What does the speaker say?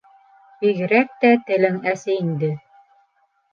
— Бигерәк тә телең әсе инде.